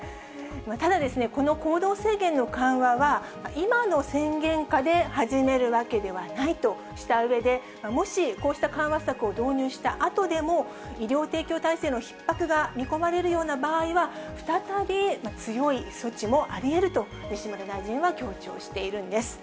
ただですね、この行動制限の緩和は今の宣言下で始めるわけではないとしたうえで、もしこうした緩和策を導入したあとでも、医療提供体制のひっ迫が見込まれるような場合は、再び強い措置もありえると、西村大臣は強調しているんです。